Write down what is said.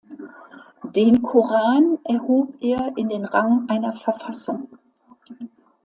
Den Koran erhob er in den Rang einer Verfassung.